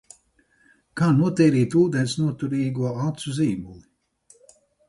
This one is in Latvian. Kā notīrīt ūdensnoturīgo acu zīmuli?